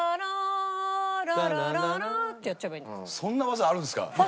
そんな技あるんですか？